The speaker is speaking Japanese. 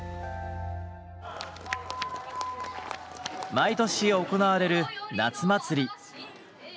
毎年行われる夏祭り。